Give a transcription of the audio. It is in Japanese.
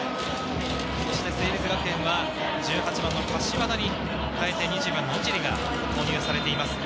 成立学園は１８番の柏田に代えて２２番・野尻が投入されています。